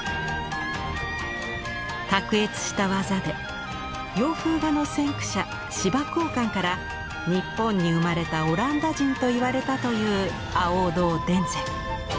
卓越した技で洋風画の先駆者司馬江漢から「日本に生まれたオランダ人」と言われたという亜欧堂田善。